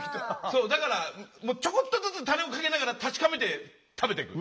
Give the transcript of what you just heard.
そうだからちょこっとずつたれをかけながら確かめて食べていく。